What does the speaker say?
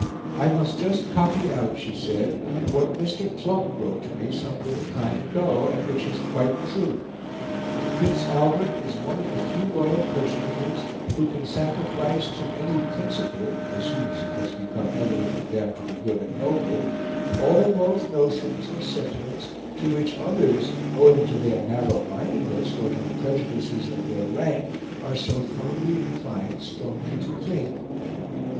"I must just copy out," she said, "what Mr. Klumpp wrote to me some little time ago, and which is quite true 'Prince Albert is one of the few Royal personages who can sacrifice to any principle (as soon as it has become evident to them to be good and noble) all those notions (or sentiments) to which others, owing to their narrow mindedness, or to the prejudices of their rank, are so thoroughly inclined strongly to cling.'